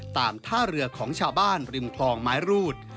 ท่าเรือของชาวบ้านริมคลองไม้รูด